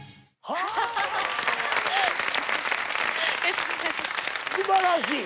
すばらしい！